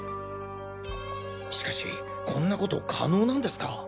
しかしこんなこと可能なんですか？